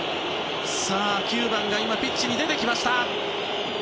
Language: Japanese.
９番が今、ピッチに出てきました。